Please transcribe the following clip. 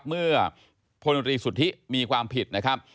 เมื่อพนตรีสุทธิมีความผิด